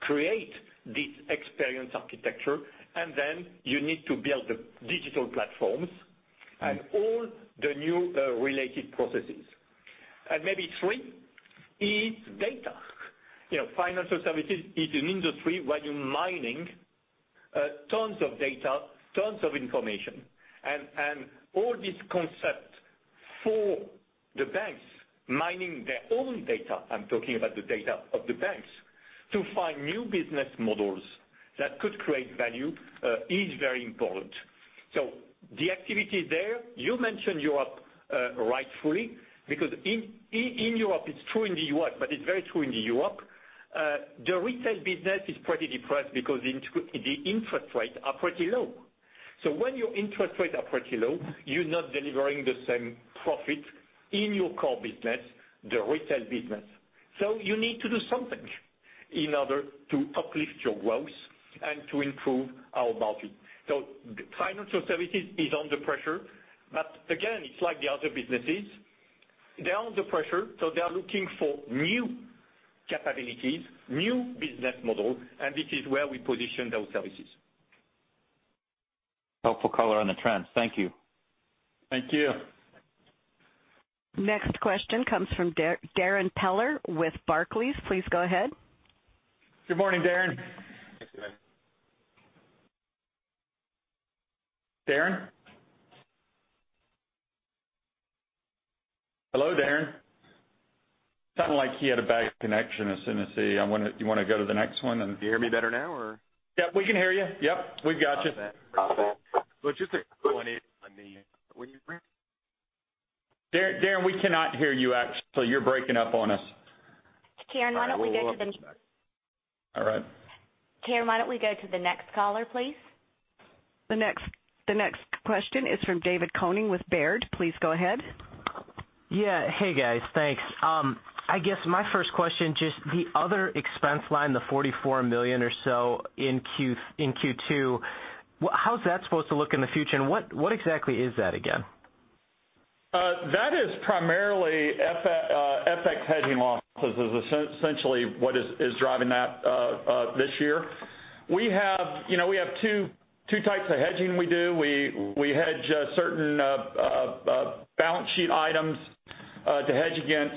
S3: create this experience architecture, and then you need to build the digital platforms and all the new related processes. Maybe three, is data. Financial services is an industry where you're mining tons of data, tons of information, and all these concepts for the banks mining their own data, I'm talking about the data of the banks, to find new business models that could create value is very important. The activity there, you mentioned Europe rightfully, because in Europe, it's true in the U.S., but it's very true in the Europe, the retail business is pretty depressed because the interest rates are pretty low. When your interest rates are pretty low, you're not delivering the same profit in your core business, the retail business. You need to do something in order to uplift your growth and to improve our margin. Financial services is under pressure, but again, it's like the other businesses. They are under pressure, they are looking for new capabilities, new business model, and this is where we position those services.
S9: Helpful color on the trends. Thank you.
S4: Thank you.
S1: Next question comes from Darrin Peller with Barclays. Please go ahead.
S4: Good morning, Darrin.
S10: Thank you.
S4: Darrin? Hello, Darrin. Sounding like he had a bad connection as soon as he You want to go to the next one?
S10: Do you hear me better now, or?
S4: Yep, we can hear you. Yep. We've got you.
S10: Copy that. Well,
S4: Darrin, we cannot hear you, actually. You're breaking up on us.
S2: Karen, why don't we go
S4: All right.
S2: Karen, why don't we go to the next caller, please?
S1: The next question is from David Koning with Baird. Please go ahead.
S11: Yeah. Hey, guys. Thanks. I guess my first question, just the other expense line, the $44 million or so in Q2, how's that supposed to look in the future, and what exactly is that again?
S4: That is primarily FX hedging losses, is essentially what is driving that this year. We have two types of hedging we do. We hedge certain balance sheet items to hedge against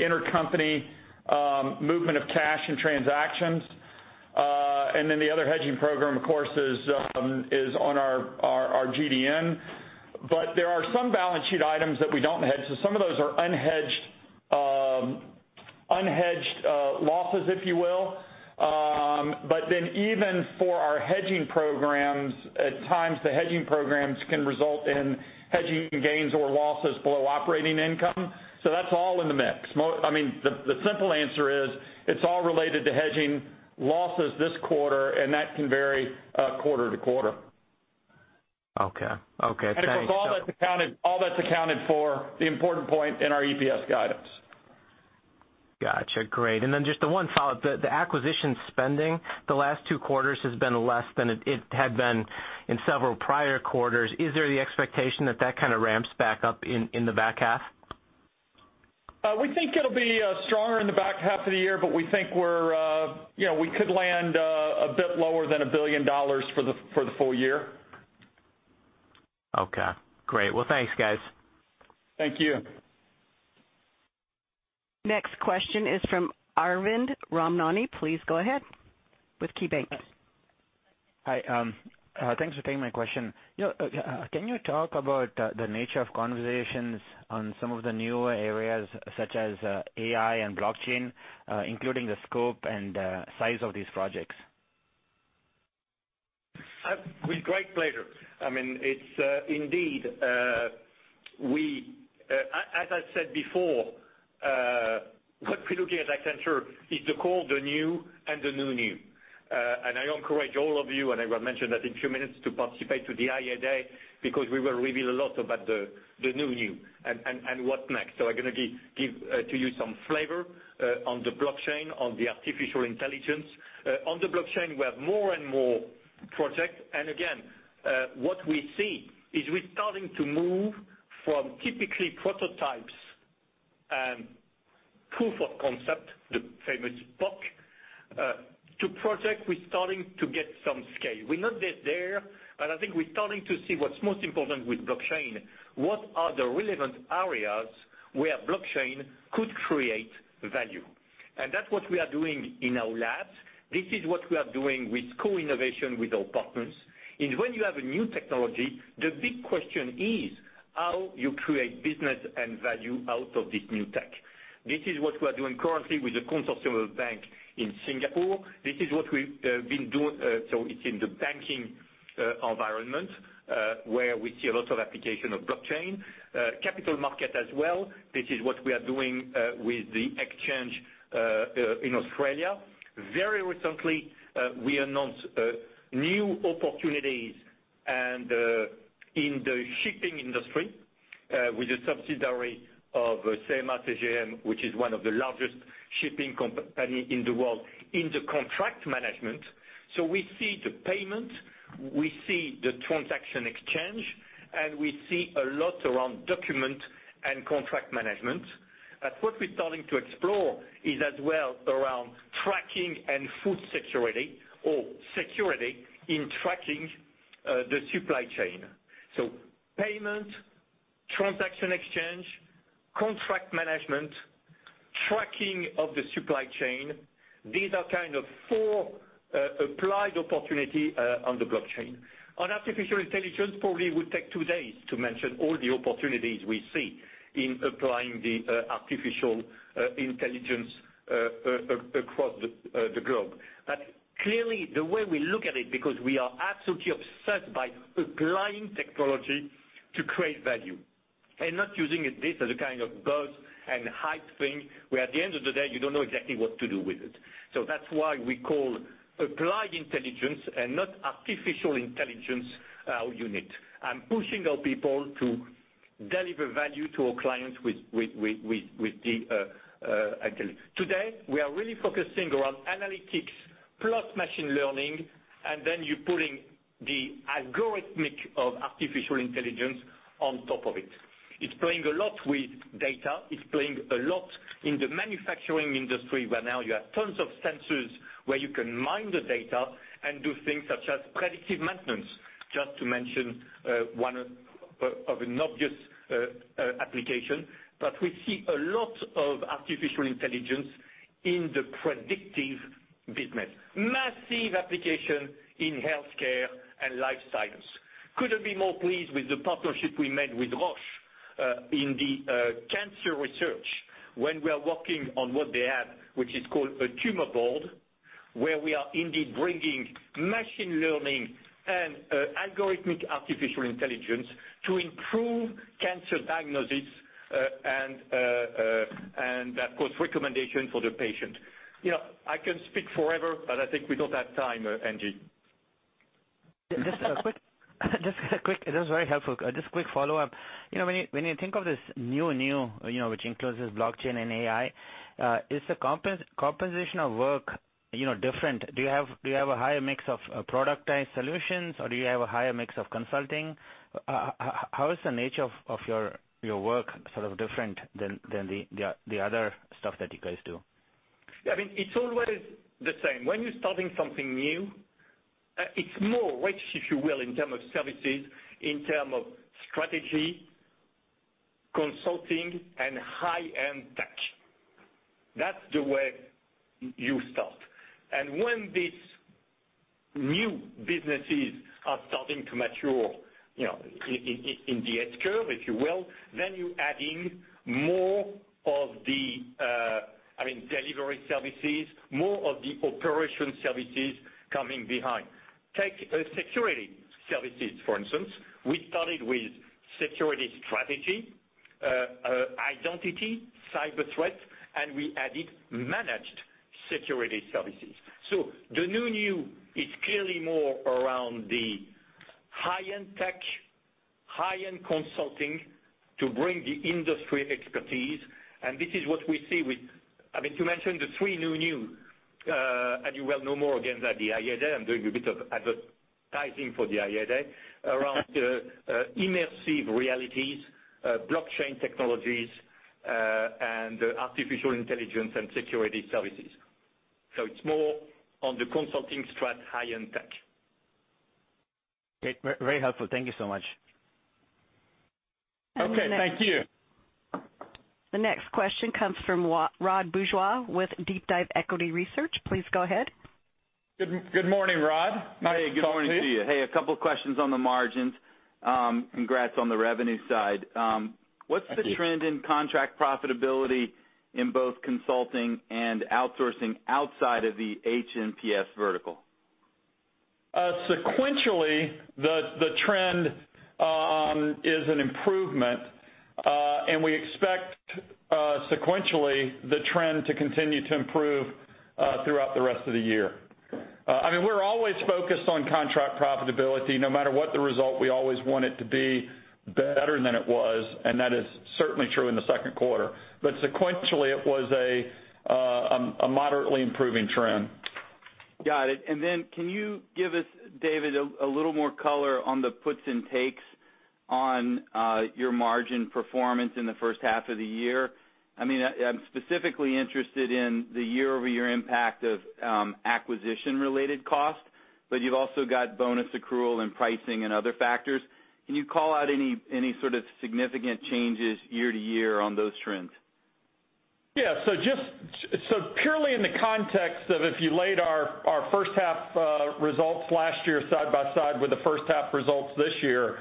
S4: intercompany movement of cash and transactions. The other hedging program, of course, is on our GDN. There are some balance sheet items that we don't hedge, so some of those are unhedged losses, if you will. Even for our hedging programs, at times, the hedging programs can result in hedging gains or losses below operating income. That's all in the mix. The simple answer is it's all related to hedging losses this quarter, and that can vary quarter to quarter.
S11: Okay. Thanks.
S4: Of course, all that's accounted for, the important point, in our EPS guidance.
S11: Gotcha. Great. Just the one follow-up. The acquisition spending the last two quarters has been less than it had been in several prior quarters. Is there the expectation that that ramps back up in the back half?
S4: We think it'll be stronger in the back half of the year, but we think we could land a bit lower than $1 billion for the full year.
S11: Okay, great. Well, thanks, guys.
S4: Thank you.
S1: Next question is from Arvind Ramnani. Please go ahead. With KeyBanc.
S12: Hi. Thanks for taking my question. Can you talk about the nature of conversations on some of the newer areas such as AI and blockchain, including the scope and size of these projects?
S3: With great pleasure. As I said before, what we look at Accenture is to call the new and the new new. I encourage all of you, and I will mention that in a few minutes to participate to the IAD because we will reveal a lot about the new new and what's next. I'm going to give to you some flavor on the blockchain, on the artificial intelligence. On the blockchain, we have more and more projects. Again, what we see is we're starting to move from typically prototypes and proof of concept, the famous PoC, to project we're starting to get some scale. We're not yet there, but I think we're starting to see what's most important with blockchain, what are the relevant areas where blockchain could create value. That's what we are doing in our labs. This is what we are doing with co-innovation with our partners. When you have a new technology, the big question is how you create business and value out of this new tech. This is what we are doing currently with the Consortium of Bank in Singapore. This is what we've been doing. It's in the banking environment, where we see a lot of application of blockchain. Capital market as well. This is what we are doing with the exchange in Australia. Very recently, we announced new opportunities in the shipping industry with a subsidiary of CMA CGM, which is one of the largest shipping company in the world in the contract management. We see the payment, we see the transaction exchange, and we see a lot around document and contract management. What we're starting to explore is as well around tracking and food security or security in tracking the supply chain. Payment, transaction exchange, contract management, tracking of the supply chain. These are kind of four applied opportunity on the blockchain. On artificial intelligence, probably would take two days to mention all the opportunities we see in applying the artificial intelligence across the globe. Clearly, the way we look at it, because we are absolutely obsessed by applying technology to create value and not using this as a kind of buzz and hype thing, where at the end of the day, you don't know exactly what to do with it. That's why we call Applied Intelligence and not artificial intelligence unit. I'm pushing our people to deliver value to our clients with the intelligence. We are really focusing around analytics plus machine learning, and then you're putting the algorithmic of artificial intelligence on top of it. It's playing a lot with data. It's playing a lot in the manufacturing industry, where now you have tons of sensors where you can mine the data and do things such as predictive maintenance, just to mention one of an obvious application. We see a lot of artificial intelligence in the predictive business. Massive application in healthcare and life science. Couldn't be more pleased with the partnership we made with Roche in the cancer research, when we are working on what they have, which is called a tumor board, where we are indeed bringing machine learning and algorithmic artificial intelligence to improve cancer diagnosis, and of course, recommendation for the patient. I can speak forever, I think we don't have time, Angie.
S12: That was very helpful. Just quick follow-up. When you think of this new new, which encloses blockchain and AI, is the composition of work different? Do you have a higher mix of productized solutions, or do you have a higher mix of consulting? How is the nature of your work different than the other stuff that you guys do?
S3: It's always the same. When you're starting something new, it's more rich, if you will, in terms of services, in terms of strategy, consulting, and high-end tech. That's the way you start. When these new businesses are starting to mature in the S-curve, if you will, then you add in more of the delivery services, more of the operation services coming behind. Take security services, for instance. We started with security strategy, identity, cyber threat, and we added managed security services. The new new is clearly more around the high-end tech, high-end consulting to bring the industry expertise. To mention the three new new, and you will know more again at the IAD, I'm doing a bit of advertising for the IAD, around immersive realities, blockchain technologies, and artificial intelligence and security services. It's more on the consulting strat high-end tech.
S12: Great. Very helpful. Thank you so much.
S3: Okay, thank you.
S1: The next question comes from Rod Bourgeois with DeepDive Equity Research. Please go ahead.
S3: Good morning, Rod. Nice to talk to you.
S13: Good morning to you. A couple questions on the margins. Congrats on the revenue side.
S3: Thank you.
S13: What's the trend in contract profitability in both consulting and outsourcing outside of the H&PS vertical?
S4: Sequentially, the trend is an improvement, we expect sequentially the trend to continue to improve throughout the rest of the year. We're always focused on contract profitability. No matter what the result, we always want it to be better than it was, and that is certainly true in the second quarter. Sequentially, it was a moderately improving trend.
S13: Got it. Can you give us, David, a little more color on the puts and takes on your margin performance in the first half of the year? I'm specifically interested in the year-over-year impact of acquisition-related costs, but you've also got bonus accrual and pricing and other factors. Can you call out any sort of significant changes year to year on those trends?
S4: Yeah. Purely in the context of if you laid our first half results last year side by side with the first half results this year,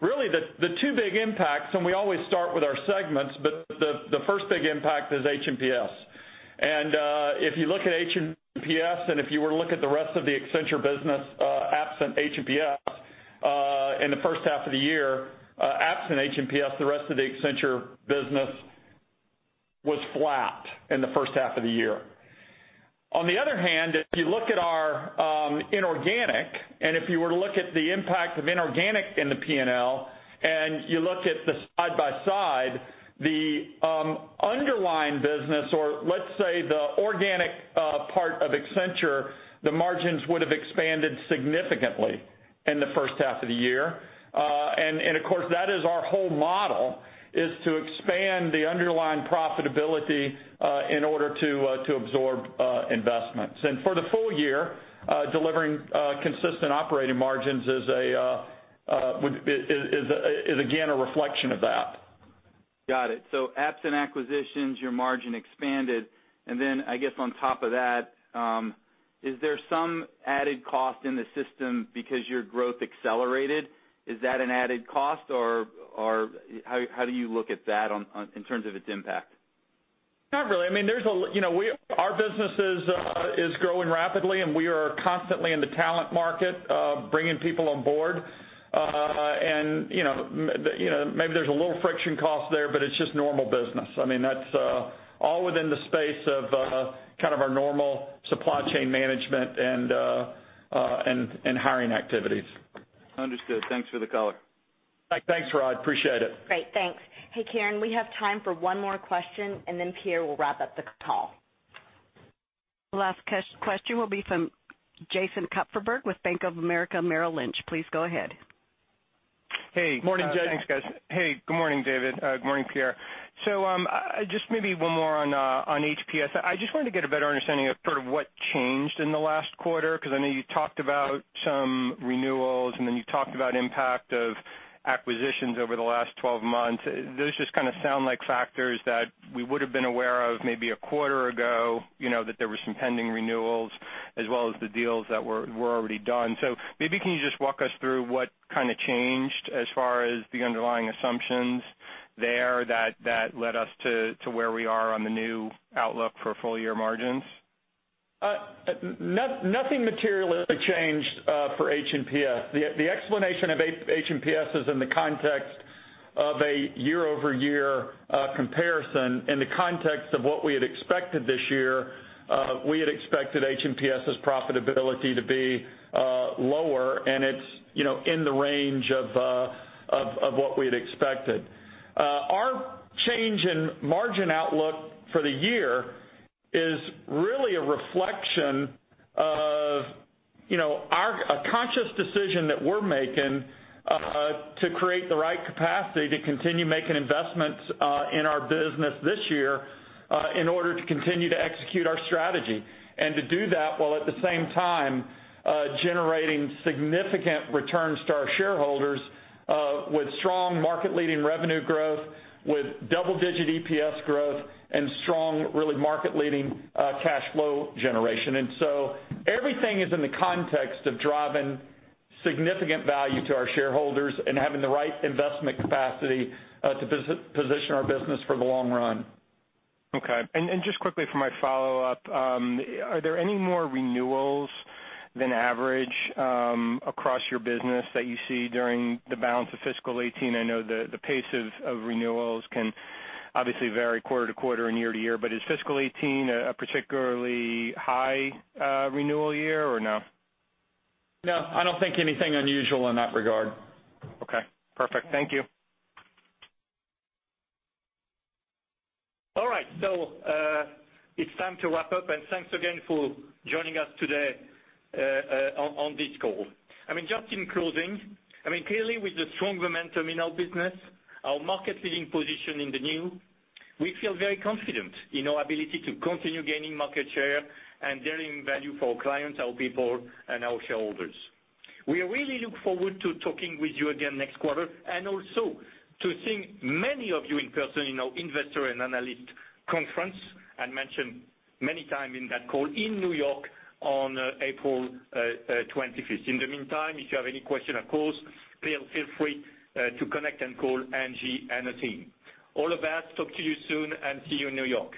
S4: really the two big impacts, and we always start with our segments, but the first big impact is H&PS. If you look at H&PS and if you were to look at the rest of the Accenture business absent H&PS in the first half of the year, absent H&PS, the rest of the Accenture business was flat in the first half of the year. On the other hand, if you look at our inorganic, and if you were to look at the impact of inorganic in the P&L and you look at the side by side, the underlying business or, let's say, the organic part of Accenture, the margins would have expanded significantly in the first half of the year. Of course, that is our whole model, is to expand the underlying profitability in order to absorb investments. For the full year, delivering consistent operating margins is again a reflection of that.
S13: Got it. Absent acquisitions, your margin expanded. I guess on top of that, is there some added cost in the system because your growth accelerated? Is that an added cost, or how do you look at that in terms of its impact?
S4: Not really. Our business is growing rapidly, and we are constantly in the talent market, bringing people on board. Maybe there's a little friction cost there, but it's just normal business. That's all within the space of our normal supply chain management and hiring activities.
S13: Understood. Thanks for the color.
S4: Thanks, Rod. Appreciate it.
S2: Great. Thanks. Hey, Karen, we have time for one more question, and then Pierre will wrap up the call.
S1: The last question will be from Jason Kupferberg with Bank of America Merrill Lynch. Please go ahead.
S14: Hey.
S4: Morning, Jason.
S14: Thanks, guys. Hey, good morning, David. Good morning, Pierre. Just maybe one more on H&PS. I just wanted to get a better understanding of what changed in the last quarter. I know you talked about some renewals, you talked about impact of acquisitions over the last 12 months. Those just sound like factors that we would have been aware of maybe a quarter ago, that there were some pending renewals as well as the deals that were already done. Maybe can you just walk us through what changed as far as the underlying assumptions there that led us to where we are on the new outlook for full-year margins?
S4: Nothing materially changed for HNPS. The explanation of HNPS is in the context of a year-over-year comparison. In the context of what we had expected this year, we had expected HNPS' profitability to be lower, it's in the range of what we had expected. Our change in margin outlook for the year is really a reflection of a conscious decision that we're making to create the right capacity to continue making investments in our business this year in order to continue to execute our strategy. To do that while at the same time generating significant returns to our shareholders with strong market-leading revenue growth, with double-digit EPS growth, strong, really market-leading cash flow generation. Everything is in the context of driving significant value to our shareholders and having the right investment capacity to position our business for the long run.
S14: Okay. Just quickly for my follow-up, are there any more renewals than average across your business that you see during the balance of fiscal 2018? I know the pace of renewals can obviously vary quarter-to-quarter and year-to-year, but is fiscal 2018 a particularly high renewal year or no?
S4: No, I don't think anything unusual in that regard.
S14: Okay, perfect. Thank you.
S3: All right. It's time to wrap up, and thanks again for joining us today on this call. Just in closing, clearly with the strong momentum in our business, our market-leading position in the new, we feel very confident in our ability to continue gaining market share and delivering value for our clients, our people, and our shareholders. We really look forward to talking with you again next quarter, and also to seeing many of you in person in our Investor and Analyst Conference I mentioned many times in that call in N.Y. on April 25th. In the meantime, if you have any question, of course, please feel free to connect and call Angie and the team. All of that, talk to you soon and see you in N.Y.